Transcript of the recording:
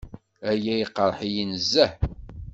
Aya iqerreḥ-iyi nezzeh.